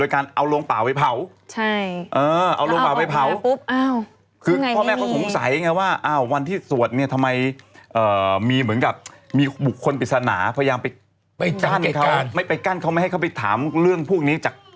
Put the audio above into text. เขาเอาไปดักรวจอีกครีย์หนึ่งเอาแอบไปชนะสูตรโดยการเอาลงป่าไปเผา